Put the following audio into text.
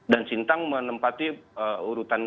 dan sintang menempati urutan